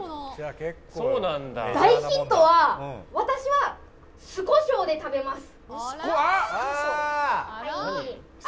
大ヒントは私は酢こしょうで食べます。